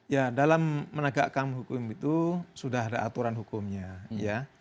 ya dalam menegakkan hukum itu sudah ada aturan hukumnya ya